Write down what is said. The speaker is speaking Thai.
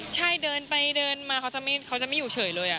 ใช่เดินไปเดินมาเขาจะไม่อยู่เฉยเลย